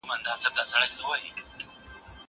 زه مخکي موبایل کارولی و!